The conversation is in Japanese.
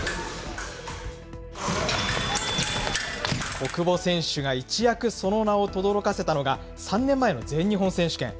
小久保選手が一躍その名をとどろかせたのが、３年前の全日本選手権。